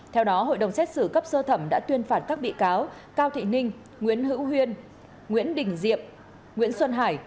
theo đó hội đồng xét xử cấp sơ thẩm đã tuyên phạt các bị cáo cao thị ninh nguyễn hữu huyên nguyễn đình diệm nguyễn xuân hải